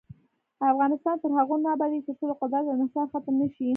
افغانستان تر هغو نه ابادیږي، ترڅو د قدرت انحصار ختم نشي.